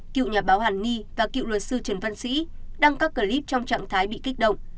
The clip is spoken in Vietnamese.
cựu nhà báo hàn ni và cựu luật sư trần văn sĩ đăng các clip trong trạng thái bị kích động